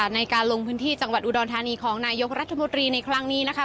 ในการลงพื้นที่จังหวัดอุดรธานีของนายกรัฐมนตรีในครั้งนี้นะคะ